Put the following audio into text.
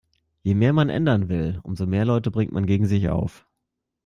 Je mehr man ändern will, umso mehr Leute bringt man gegen sich auf.